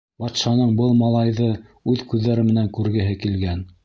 Батшаның был малайҙы үҙ күҙҙәре менән күргеһе килгән.